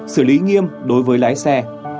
sử lý nghiêm đối với lái xe